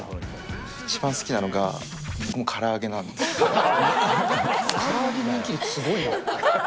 一番好きなのが、僕もから揚から揚げ人気率すごいな。